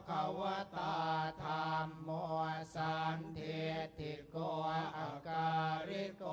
สารทิสันทะเทวะธรรม